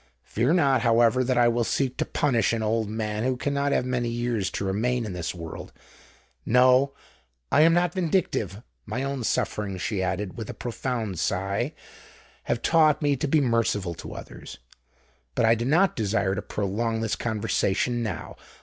Fear not, however, that I will seek to punish an old man who cannot have many years to remain in this world: no—I am not vindictive—my own sufferings," she added, with a profound sigh, "have taught me to be merciful to others. But I do not desire to prolong this conversation now.